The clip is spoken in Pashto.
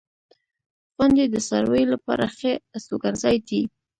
• غونډۍ د څارویو لپاره ښه استوګنځای دی.